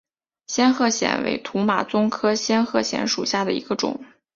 仙鹤藓为土马鬃科仙鹤藓属下的一个种。